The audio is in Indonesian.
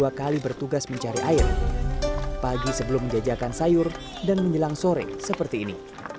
dua kali bertugas mencari air pagi sebelum menjajakan sayur dan menjelang sore seperti ini